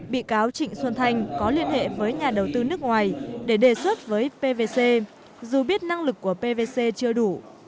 bị cáo trịnh xuân thanh có liên hệ với nhà đầu tư nước ngoài để đề xuất với pvc dù biết năng lực của pvc chưa đủ